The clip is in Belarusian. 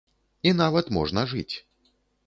І нават можна жыць.